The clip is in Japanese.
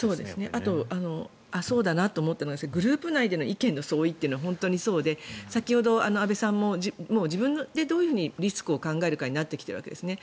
あと、そうだなと思ったのがグループ内の意見の相違というのは本当にそうで、先ほど安部さんも自分でどういうふうにリスクを考えるかになってきているわけですね。